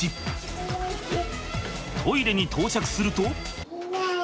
トイレに到着すると。